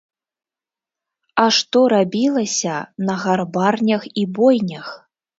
А што рабілася на гарбарнях і бойнях!